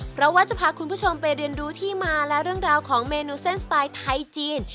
เพราะว่าจะพาคุณผู้ชมไปเรียนรู้ที่มาและเรื่องราวของเมนูเส้นสไตล์ไทยจีน